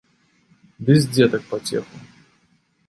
Ды з дзетак пацеху.